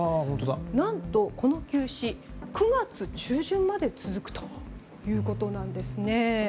何と、この休止は９月中旬まで続くということなんです。